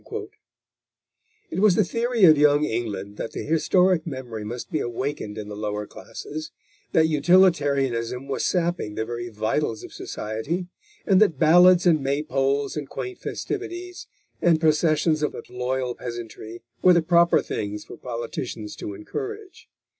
It was the theory of Young England that the historic memory must be awakened in the lower classes; that utilitarianism was sapping the very vitals of society, and that ballads and May poles and quaint festivities and processions of a loyal peasantry were the proper things for politicians to encourage.